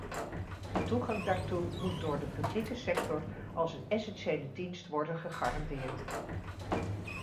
De toegang daartoe moet door de publieke sector als een essentiële dienst worden gegarandeerd.